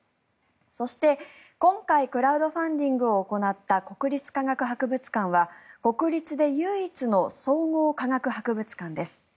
そして、今回クラウドファンディングを行った国立科学博物館は国立で唯一の総合科学博物館です。